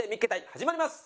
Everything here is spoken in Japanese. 始まります。